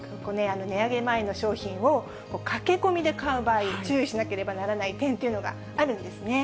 値上げ前の商品を駆け込みで買う場合、注意しなければならない点というのがあるんですね。